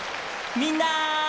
みんな！